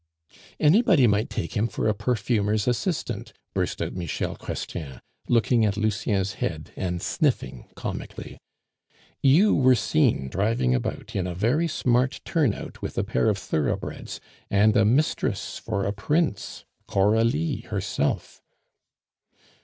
"Anybody might take him for a perfumer's assistant," burst out Michel Chrestien, looking at Lucien's head, and sniffing comically. "You were seen driving about in a very smart turnout with a pair of thoroughbreds, and a mistress for a prince, Coralie herself."